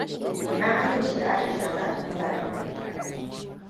Na amince Aisha za ta kula da kanta.